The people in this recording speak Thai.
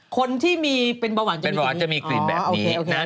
คนที่มีเป็นประวัติจะมีกลิ่นแบบนี้อ๋อโอเค